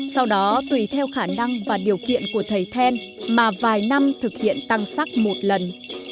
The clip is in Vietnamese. sau đó tùy theo khả năng và điều kiện của thầy then mà vài năm thực hiện tăng sắc một lần